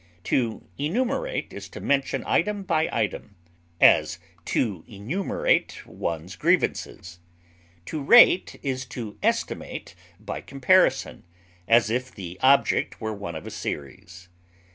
To enumerate is to mention item by item; as, to enumerate one's grievances. To rate is to estimate by comparison, as if the object were one of a series.